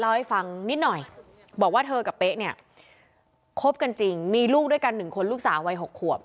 เล่าให้ฟังนิดหน่อยบอกว่าเธอกับเป๊ะเนี่ยคบกันจริงมีลูกด้วยกัน๑คนลูกสาววัย๖ขวบ